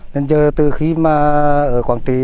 nên giờ từ khi mà ở quảng trì